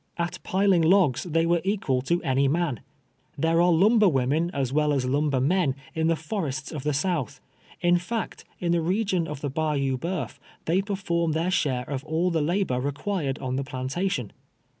At pilin<>; logs, they \vere ecpial to any man. There are lumherwomen as well as him Lermen in the forests of the South. In fact, in the region of the Bayou Bujuf they i")erform their share of all the la1)or required on the plantation.